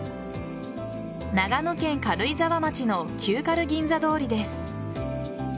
長野県軽井沢町の旧軽銀座通りです。